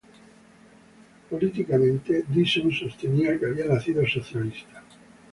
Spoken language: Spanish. Políticamente Dyson sostenía que había nacido socialista.